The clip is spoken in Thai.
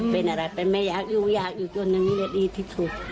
เป็นอะไรไปแม่อยากอยู่อยากอยู่จนนี้ดีที่สุด